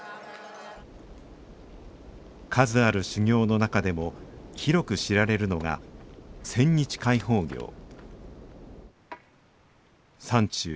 数ある修行の中でも広く知られるのが山中